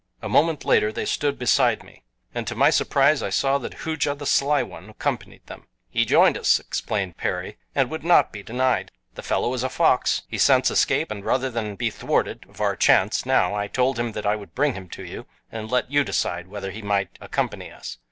A moment later they stood beside me, and to my surprise I saw that Hooja the Sly One accompanied them. "He joined us," explained Perry, "and would not be denied. The fellow is a fox. He scents escape, and rather than be thwarted of our chance now I told him that I would bring him to you, and let you decide whether he might accompany us."